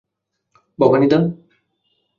Bhabani, দা।